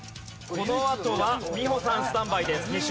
このあとは美穂さんスタンバイです。